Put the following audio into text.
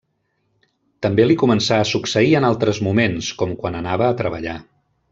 També li començà a succeir en altres moments, com quan anava a treballar.